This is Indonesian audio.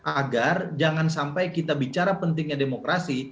agar jangan sampai kita bicara pentingnya demokrasi